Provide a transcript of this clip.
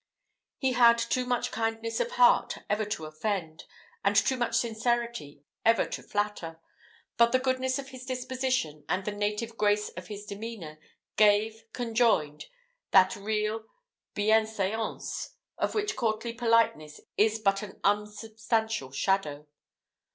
He had too much kindness of heart ever to offend, and too much sincerity ever to flatter. But the goodness of his disposition, and the native grace of his demeanour, gave, conjoined, that real bienséance, of which courtly politeness is but an unsubstantial shadow.